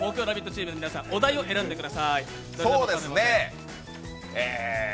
チームの皆さんお題を選んだください。